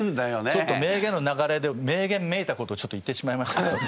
ちょっと名言の流れで名言めいたことをちょっと言ってしまいましたけども。